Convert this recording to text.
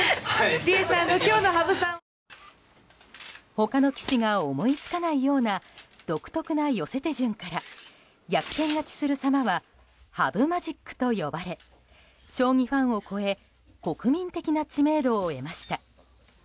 他の棋士が思いつかないような独特な寄せ手順から逆転勝ちする様は羽生マジックと呼ばれ将棋ファンを越え国民的な知名度を得ました。